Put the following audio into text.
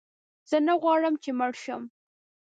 زه نه غواړم چې مړ شم.